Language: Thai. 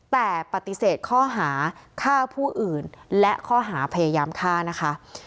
แต่ปฏิเสธข้อหาฆ่าผู้อื่นและข้อหาพยายามฆ่านะคะ